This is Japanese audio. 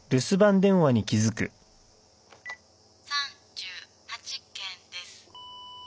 「３８件です」